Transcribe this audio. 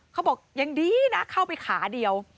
เขาบอกยังดีนะเข้าไปขาเดียว